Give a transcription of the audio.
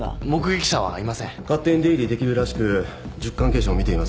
勝手に出入りできるらしく塾関係者も見ていません。